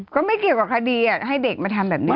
ก็ไม่เกี่ยวกับคดีให้เด็กมาทำแบบนี้